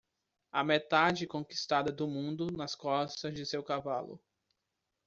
A metade conquistada do mundo nas costas de seu cavalo.